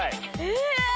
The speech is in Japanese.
え⁉